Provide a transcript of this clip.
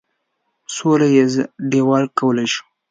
سوله ییز ډیالوګ کولی شو.